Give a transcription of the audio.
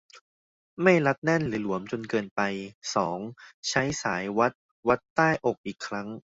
ไม่รัดแน่นหรือหลวมจนเกินไป สอง ใช้สายวัดวัดรอบใต้อกอีกครั้ง